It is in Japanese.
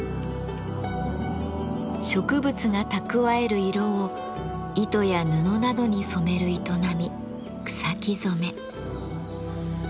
植物が蓄える色を糸や布などに染める営み「草木染め」。